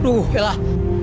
aduh ya lah